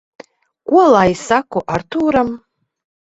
Ko lai saku Artūram?